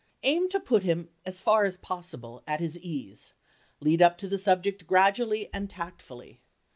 Aim to put him as far as possible at his ease, lead up to the subject gradually and tactfully.